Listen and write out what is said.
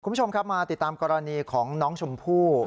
คุณผู้ชมครับมาติดตามกรณีของน้องชมพู่